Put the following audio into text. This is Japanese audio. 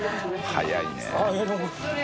早いね。